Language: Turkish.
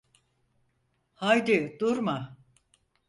Haydi durma.